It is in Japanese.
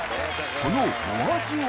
そのお味は？